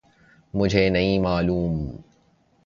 مجھے نہیں معلوم